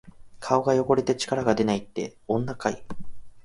顔が汚れて力がでないって、女かい！